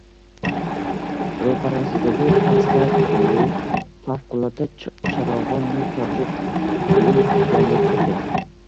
Roʼparasidagi pastak uy favqulodda charogʼon, nur sochib, kulib turgandek edi!